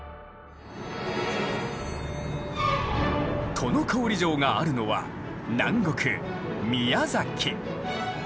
都於郡城があるのは南国・宮崎。